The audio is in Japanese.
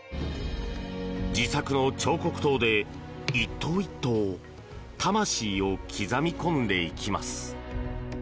自作の彫刻刀で一刀一刀魂を刻み込んでいきます。